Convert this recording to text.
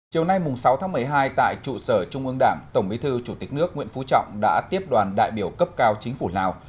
chiều nay sáu tháng một mươi hai tại trụ sở trung ương đảng tổng bí thư chủ tịch nước nguyễn phú trọng đã tiếp đoàn đại biểu cấp cao chính phủ lào